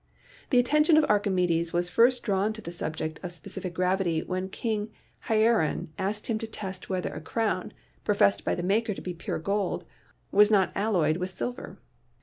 The attention of Archimedes was first drawn to the subject of specific gravity when King Hieron asked him to test whether a crown, professed by the maker to be pure gold, was not alloyed with silver.